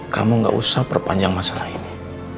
kamu gak usah perpanjang masalah ini